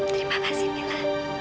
terima kasih mila